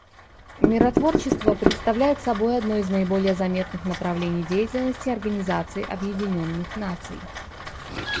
Миротворчество представляет собой одно из наиболее заметных направлений деятельности Организации Объединенных Наций.